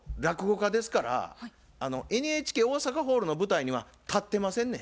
落語家ですからＮＨＫ大阪ホールの舞台には立ってませんねん。